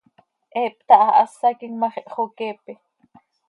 He hptahahásaquim ma x, ihxoqueepe.